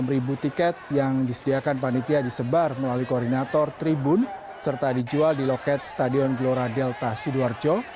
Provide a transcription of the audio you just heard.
enam ribu tiket yang disediakan panitia disebar melalui koordinator tribun serta dijual di loket stadion gelora delta sidoarjo